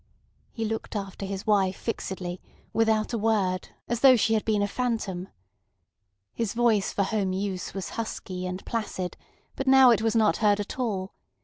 He looked after his wife fixedly, without a word, as though she had been a phantom. His voice for home use was husky and placid, but now it was heard not at all.